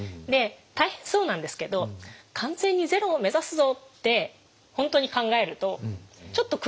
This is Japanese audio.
で大変そうなんですけど完全にゼロを目指すぞって